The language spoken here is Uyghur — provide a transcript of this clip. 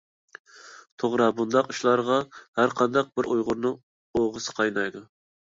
توغرا، بۇنداق ئىشلارغا ھەرقانداق بىر ئۇيغۇرنىڭ ئوغىسى قاينايدۇ.